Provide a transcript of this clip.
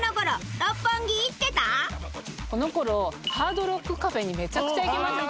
この頃ハードロックカフェにめちゃくちゃ行きました。